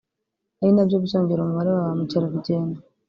ari nabyo bizongera umubare wa ba mukerarugendo